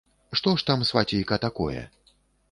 Што ж там, свацейка, такое?